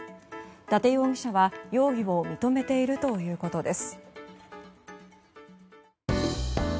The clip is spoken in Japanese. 伊達容疑者は容疑を認めているということです。